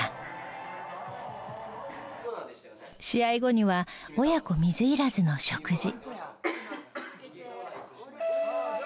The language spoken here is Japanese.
試合後には親子水入らずの食事。